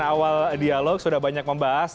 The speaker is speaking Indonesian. awal dialog sudah banyak membahas